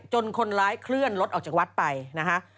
คนร้ายเคลื่อนรถออกจากวัดไปนะคะ